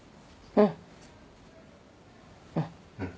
うん。